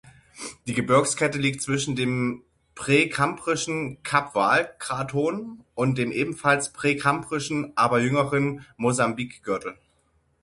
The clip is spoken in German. Die Gebirgskette liegt zwischen dem präkambrischen Kaapvaal-Kraton und dem ebenfalls präkambrischen, aber jüngeren Mosambik-Gürtel.